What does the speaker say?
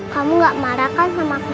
kamu gak marah kan sama aku sama juwana